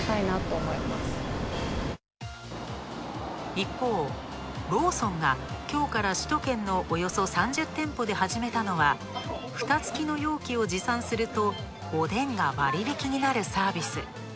一方、ローソンがきょうから首都圏のおよそ３０店舗で始めたのはふたつきの容器を持参するとおでんが割引になるサービス。